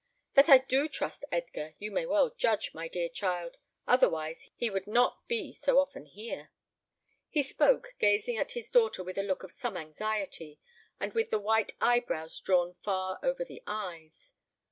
That I do trust Edgar you may well judge, my dear child, otherwise he would not be so often here." He spoke, gazing at his daughter with a look of some anxiety, and with the white eyebrows drawn far over the eyes.